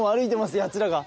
やつらが。